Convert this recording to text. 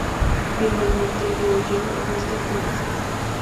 Finalmente el dúo llega a White Forest.